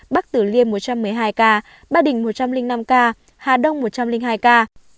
bắc tử liêm một trăm một mươi hai ca ba đình một trăm linh năm ca hà đông một trăm linh hai ca